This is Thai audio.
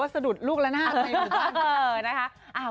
ขอลูกชมลูกพอนิดนึงก็ละกัน